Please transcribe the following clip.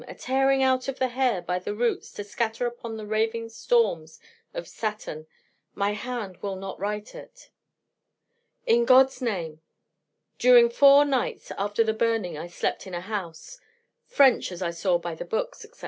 a tearing out of the hair by the roots to scatter upon the raving storms of Saturn! My hand will not write it! In God's name ! During four nights after the burning I slept in a house French as I saw by the books, &c.